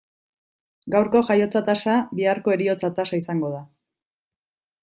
Gaurko jaiotza tasa biharko heriotza tasa izango da.